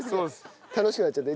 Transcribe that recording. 楽しくなっちゃって。